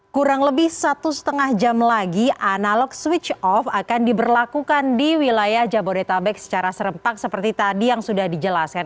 kurang lebih satu setengah jam lagi analog switch off akan diberlakukan di wilayah jabodetabek secara serempak seperti tadi yang sudah dijelaskan